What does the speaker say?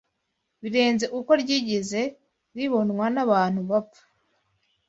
birenze uko ryigeze ribonwa n’abantu bapfa